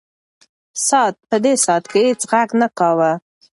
ساعت په دې ساعت کې هیڅ غږ نه کاوه.